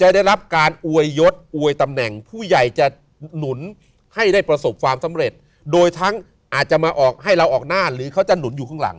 จะได้รับการอวยยศอวยตำแหน่งผู้ใหญ่จะหนุนให้ได้ประสบความสำเร็จโดยทั้งอาจจะมาออกให้เราออกหน้าหรือเขาจะหนุนอยู่ข้างหลัง